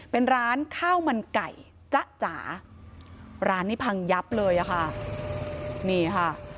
เป็นร้านข้าวมันไก่จ๊ะจ๋าร้านนี้พังยับเลยอะค่ะนี่ค่ะ